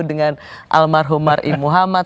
dengan almarhum marie muhammad